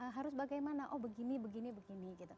harus bagaimana oh begini begini begini gitu